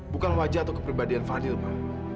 bukan wajah atau kepribadian fadil